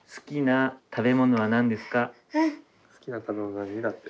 好きな食べ物何だって。